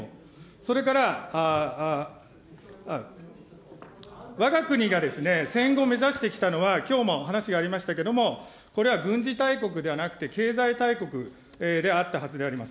それから、わが国が戦後目指してきたのは、きょうも話がありましたけれども、これは軍事大国ではなくて、経済大国であったはずであります。